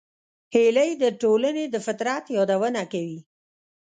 هیلۍ د ټولنې د فطرت یادونه کوي